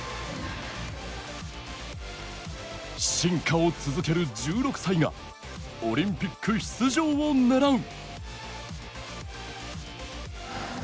進化を続ける１６歳がオリンピック出場を狙う。